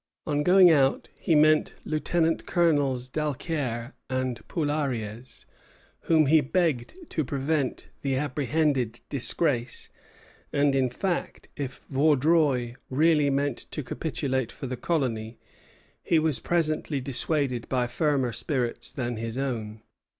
On going out he met Lieutenant colonels Dalquier and Poulariez, whom he begged to prevent the apprehended disgrace; and, in fact, if Vaudreuil really meant to capitulate for the colony, he was presently dissuaded by firmer spirits than his own.